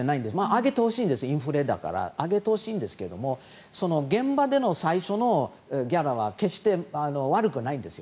上げてほしいんですインフレだから上げてほしいんですけども現場での最初のギャラは決して悪くないんです。